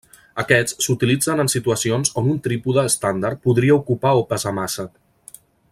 Aquests s’utilitzen en situacions on un trípode estàndard podria ocupar o pesar massa.